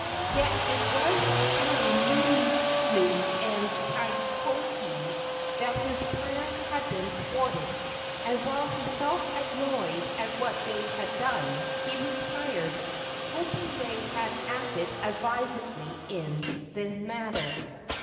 Yet it was through Nunu and Kakohe that his plans had been thwarted, and while he felt annoyed at what they had done, he retired, hoping they had acted advisedly in the matter.